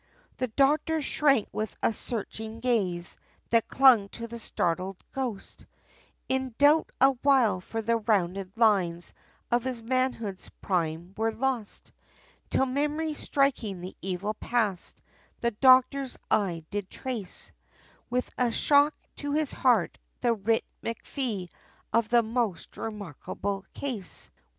The doctor shrank with a searching gaze, that clung to the startled ghost, In doubt awhile, for the rounded lines of his manhood's prime were lost, Till memory striking the evil past, the doctor's eye did trace, With a shock to his heart, the Writ MacFee of the most remarkable case!